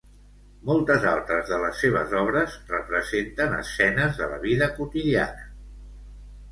Moltes altres de les seves obres representen escenes de la vida quotidiana.